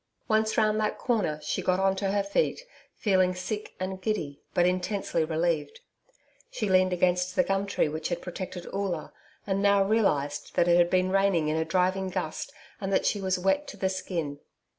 Once round that corner, she got on to her feet, feeling sick and giddy but intensely relieved. She leaned against the gum tree which had protected Oola, and now realised that it had been raining in a driving gust and that she was wet to the skin.